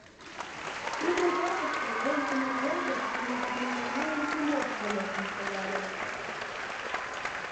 Тиде жапыште эмлыме вер гыч, чемоданым нумалын, Тимошка лектын шогале.